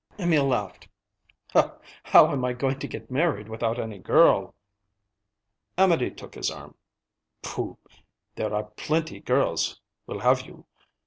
Emil laughed. "How am I going to get married without any girl?" Amédée took his arm. "Pooh! There are plenty girls will have you.